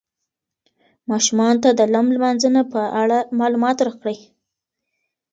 ماشومانو ته د لم لمانځه په اړه معلومات ورکړئ.